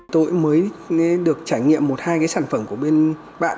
tôi mới được trải nghiệm một hai cái sản phẩm của bên bạn